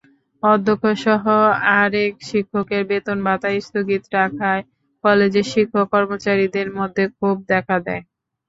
অধ্যক্ষসহ আরেক শিক্ষকের বেতন-ভাতা স্থগিত রাখায় কলেজের শিক্ষক-কর্মচারীদের মধ্যে ক্ষোভ দেখা দেয়।